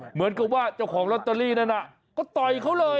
เหมือนกับว่าเจ้าของลอตเตอรี่นั้นก็ต่อยเขาเลย